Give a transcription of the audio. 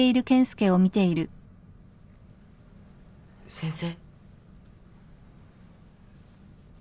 先生。